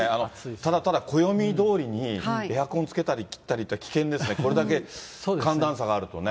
ただただ暦どおりにエアコンつけたり切ったりって、危険ですね、これだけ寒暖差があるとね。